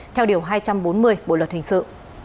theo điều hai trăm bốn mươi bộ luật hình sự